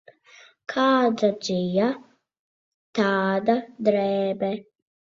Kāda dzija, tāda drēbe.